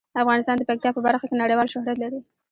افغانستان د پکتیا په برخه کې نړیوال شهرت لري.